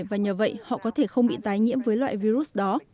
và nhờ vậy họ có thể không bị tái nhiễm với loại virus đó